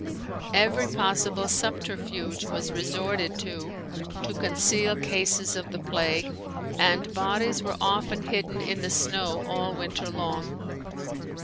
Every possible subterfuge was resorted to to conceal cases of the plague and bodies were often hidden in the snow all winter long.